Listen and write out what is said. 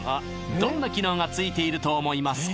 どんな機能がついていると思いますか？